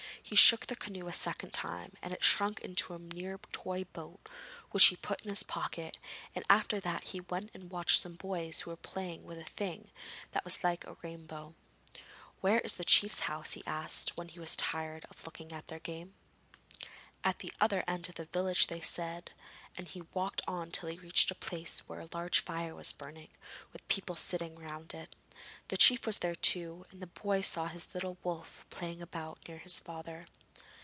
He shook the canoe a second time, and it shrunk into a mere toy boat which he put in his pocket, and after that he went and watched some boys who were playing with a thing that was like a rainbow. 'Where is the chief's house?' he asked when he was tired of looking at their game. 'At the other end of the village,' they said, and he walked on till he reached a place where a large fire was burning, with people sitting round it. The chief was there too, and the boy saw his little wolf playing about near his father.